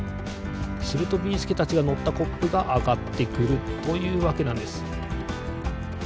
するとビーすけたちがのったコップがあがってくるというわけなんです。